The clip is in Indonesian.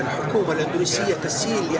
dalam pemerintahan indonesia